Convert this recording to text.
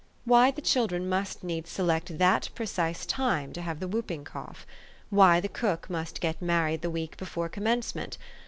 Why the chil dren must needs select that precise time to have the whooping cough? why the cook must get married the week before Commencement?